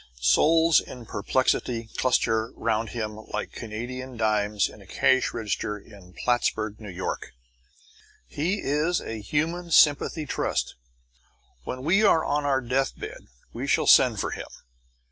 Souls in perplexity cluster round him like Canadian dimes in a cash register in Plattsburgh, N. Y. He is a human sympathy trust. When we are on our deathbed we shall send for him.